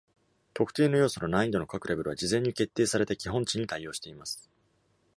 特定の要素の難易度の各レベルは、事前に決定された基本値に対応しています。